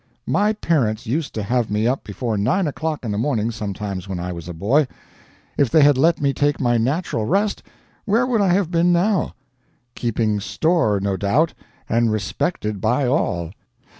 My parents used to have me up before nine o'clock in the morning sometimes when I was a boy. If they had let me take my natural rest where would I have been now? Keeping store, no doubt, and respected by all.